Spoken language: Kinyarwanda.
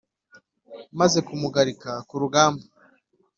maze kumugarika ku rugamba